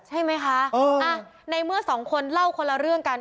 ใช่ไหมคะในเมื่อสองคนเล่าคนละเรื่องกัน